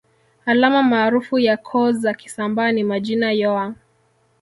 Alama maarufu ya koo za Kisambaa ni majina yoa